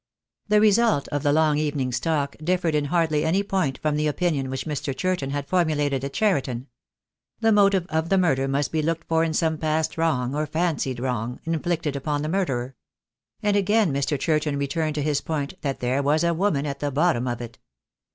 The result of the long evening's talk differed in hardly any point from the opinion which Mr. Churton had formulated at Cheriton. The motive of the murder must be looked for in some past wrong, or fancied wrong, inflicted upon the murderer. And again Mr. Churton re turned to his point that there wTas a woman at the bottom of it.